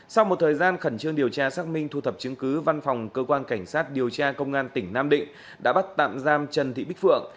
sau một thời gian khẩn trương điều tra xác minh thu thập chứng cứ văn phòng cơ quan cảnh sát điều tra công an tỉnh nam định đã bắt tạm giam trần thị bích phượng